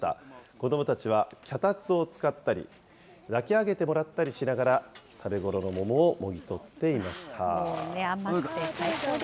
子どもたちは脚立を使ったり、抱き上げてもらったりしながら、食べ頃の桃をもぎ取っていました。